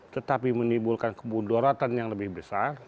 tetapi menimbulkan kemudorotan yang lebih besar